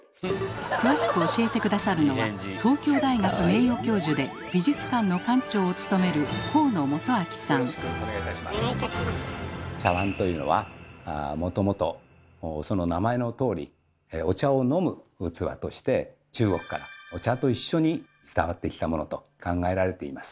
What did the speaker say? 詳しく教えて下さるのは東京大学名誉教授で美術館の館長を務める茶わんというのはもともとその名前のとおりお茶を飲む器として中国からお茶と一緒に伝わってきたものと考えられています。